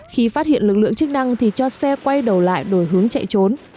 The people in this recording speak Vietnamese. khi phát hiện lực lượng chức năng thì cho xe quay đầu lại đổi hướng chạy trốn